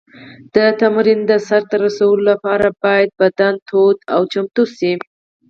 د تمرین د سر ته رسولو لپاره باید بدن تود او چمتو شي.